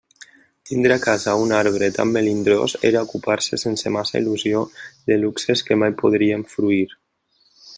Tindre a casa un arbre tan melindrós era ocupar-se sense massa il·lusió de luxes que mai podríem fruir.